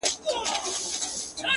يا الله تې راته ژوندۍ ولره.